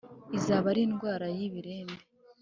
izaba ari indwara y ibibembe